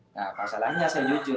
nah pasalannya saya jujur